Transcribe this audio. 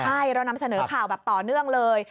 ใช่เรานำเสนอข่าวแบบต่อเนื่องเลย